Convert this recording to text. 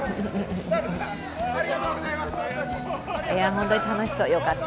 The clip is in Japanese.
本当に楽しそう、よかった。